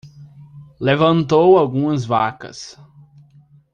Levantou algumas vacas